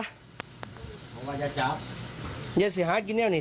ขอลองกันออกจากพื้นที่พร้อมไปซะ